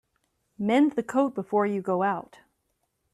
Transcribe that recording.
Mend the coat before you go out.